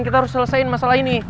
kita harus selesaiin masalah ini